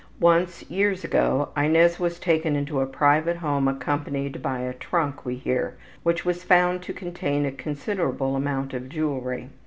Once, years ago, Inez was taken into a private home accompanied by a trunk, we hear, which was found to contain a considerable amount of jewelry.